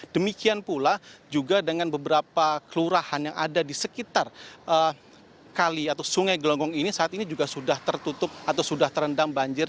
demikian pula juga dengan beberapa kelurahan yang ada di sekitar kali atau sungai gelonggong ini saat ini juga sudah tertutup atau sudah terendam banjir